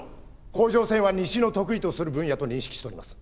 甲状腺は西の得意とする分野と認識しております。